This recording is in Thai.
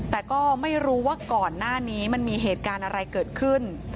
แต่ก็ไม่รู้ว่าก่อนหน้านี้มันมีเหตุการณ์อะไรเกิดขึ้น